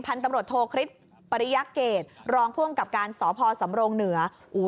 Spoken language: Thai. พันธุ์ตำรวจโทรคริสต์ปริยาเกตรองพ่วงกับการสอพสำโรงเหนือ